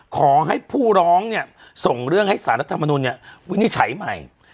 ขอให้ผู้ร้องเนี่ยส่งเรื่องให้สารรัฐมนุนวินิจฉัยใหม่